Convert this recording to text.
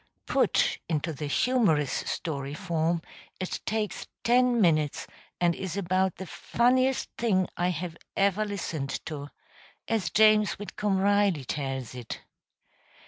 Put into the humorous story form it takes ten minutes, and is about the funniest thing I have ever listened to as James Whitcomb Riley tells it.